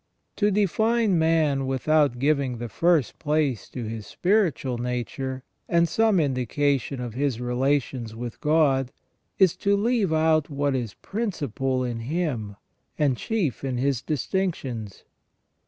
To define man without giving the first place to his spiritual nature, and some indication of his relations with God, is to leave out what is principal in him, and chief in his distinctions.